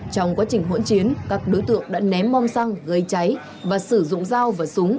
trong quá trình hỗn chiến các đối tượng đã ném bom xăng gây cháy và sử dụng dao và súng